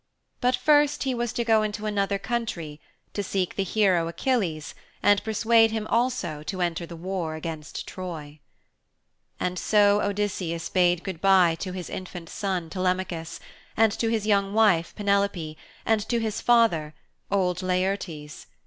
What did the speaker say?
But first he was to go into another country to seek the hero Achilles and persuade him also to enter the war against Troy. And so Odysseus bade good bye to his infant son, Telemachus, and to his young wife Penelope, and to his father, old Laertes.